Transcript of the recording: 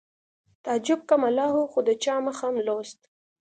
تعجب که ملا و خو د چا مخ هم لوست